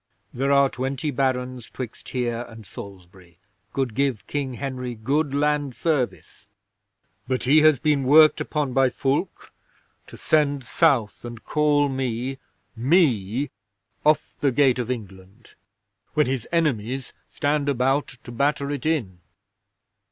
"There are twenty Barons 'twixt here and Salisbury could give King Henry good land service, but he has been worked upon by Fulke to send South and call me me! off the Gate of England, when his enemies stand about to batter it in.